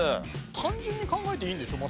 単純に考えていいんでしょ？